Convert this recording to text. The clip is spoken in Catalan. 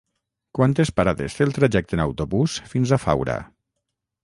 Quantes parades té el trajecte en autobús fins a Faura?